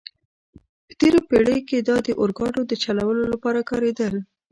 په تېرو پېړیو کې دا د اورګاډو د چلولو لپاره کارېدل.